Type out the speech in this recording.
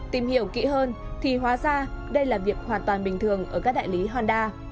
tìm hiểu kỹ hơn thì hóa ra đây là việc hoàn toàn bình thường ở các đại lý honda